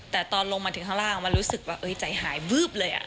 แต่ตอนลงมาถึงข้างล่างมันรู้สึกว่าใจหายวืบเลย